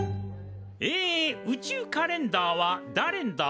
え宇宙カレンダーはだれんだ？